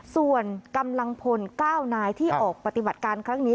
ส่วนกำลังพล๙นายที่ออกปฏิบัติการครั้งนี้